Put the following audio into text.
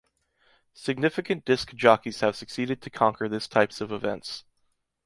Significant disc jockeys have succeeded to conquer this types of events.